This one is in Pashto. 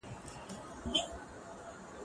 له دوستانو سره خپلې ستونزې شریکې کړئ.